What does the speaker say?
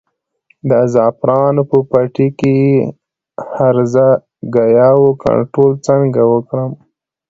د زعفرانو په پټي کې د هرزه ګیاوو کنټرول څنګه وکړم؟